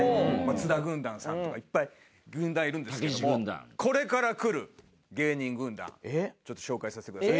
津田軍団さんとかいっぱい軍団いるんですけどもこれからくる芸人軍団ちょっと紹介させてください。